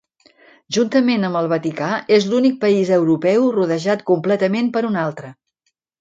Juntament amb el Vaticà és l'únic país europeu rodejat completament per un altre.